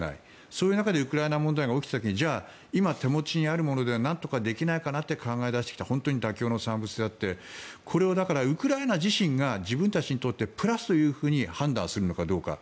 そういう中でウクライナ問題が起きた時にじゃあ、今手持ちにあるものでなんとかできないかなって考え出してきた本当に妥協の産物であってこれをウクライナ自身が自分たちにとってプラスだと判断するのかどうか。